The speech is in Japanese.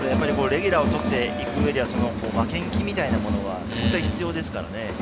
レギュラーを取って負けん気みたいなものは絶対、必要ですからね。